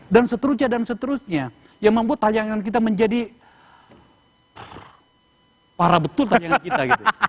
dan seterusnya dan seterusnya yang mampu tayangan kita menjadi parah betul tayangan kita